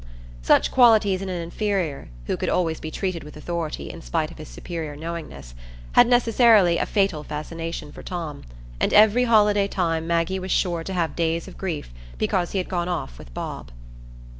Such qualities in an inferior, who could always be treated with authority in spite of his superior knowingness, had necessarily a fatal fascination for Tom; and every holiday time Maggie was sure to have days of grief because he had gone off with Bob.